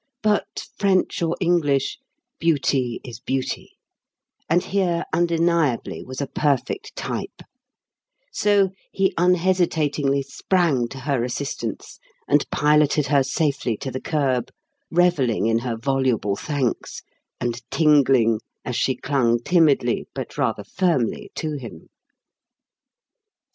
But, French or English, beauty is beauty, and here undeniably was a perfect type, so he unhesitatingly sprang to her assistance and piloted her safely to the kerb, revelling in her voluble thanks, and tingling as she clung timidly but rather firmly to him.